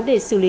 để xử lý